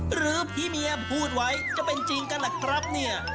หรือพี่เมียพูดไว้จะเป็นจริงกันล่ะครับเนี่ย